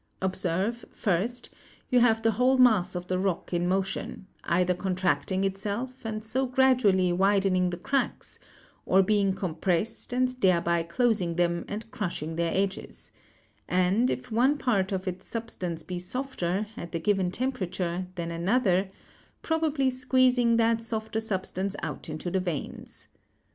Observe, first, you have the whole mass of the rock in motion, either contracting itself, and so gradually widening the cracks; or being compressed, and thereby closing them, and crushing their edges; and, if one part CRYSTALLOGRAPHY 257 of its substance be softer, at the given temperature, than another, probably squeezing that softer substance out into the veins.